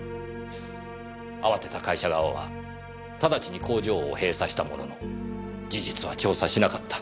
慌てた会社側は直ちに工場を閉鎖したものの事実は調査しなかった。